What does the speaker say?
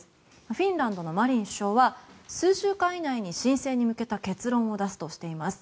フィンランドのマリン首相は数週間以内に、申請に向けた結論を出すとしています。